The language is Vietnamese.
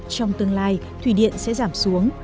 trong tương lai thủy điện sẽ giảm xuống